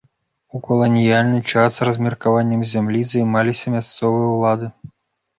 У каланіяльны час размеркаваннем зямлі займаліся мясцовыя ўлады.